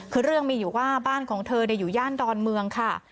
คือเรื่องมีอยู่ว่าบ้านของเธออยู่ย่านดอนเมืองค่ะ